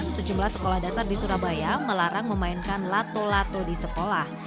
sejumlah sekolah dasar di surabaya melarang memainkan lato lato di sekolah